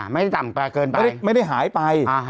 ไม่ได้ต่ำแปลเกินไปไม่ได้หายไป